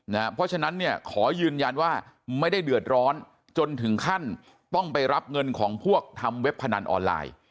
เพราะฉะนั้นเนี่ยขอยืนยันว่าไม่ได้เดือดร้อนจนถึงขั้นต้องไปรับเงินของพวกทำเว็บพนันออนไลน์